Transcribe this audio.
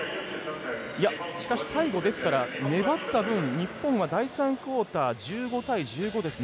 しかし、最後粘った分、日本は第３クオーター１５対１５ですね。